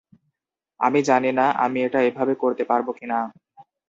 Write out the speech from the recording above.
আমি জানি না আমি এটা এভাবে করতে পারব কিনা।